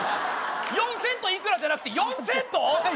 ４０００といくらじゃなくて４セント！？